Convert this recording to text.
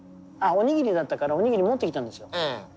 あおにぎりだったからおにぎり持ってきたんですよ。